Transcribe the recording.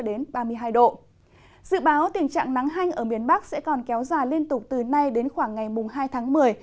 dự báo tình trạng nắng hanh ở miền bắc sẽ còn kéo dài liên tục từ nay đến khoảng ngày hai tháng một mươi